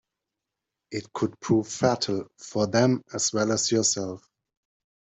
It could prove fatal for them as well as yourself.